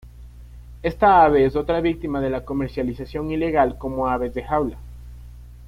Esta ave es otra víctima de la comercialización ilegal como aves de jaula.